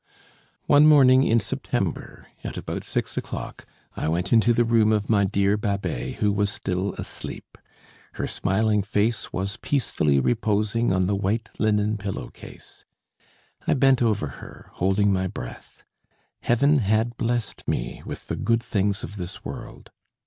One morning in September, at about six o'clock, I went into the room of my dear Babet, who was still asleep. Her smiling face was peacefully reposing on the white linen pillow case. I bent over her, holding my breath. Heaven had blessed me with the good things of this world.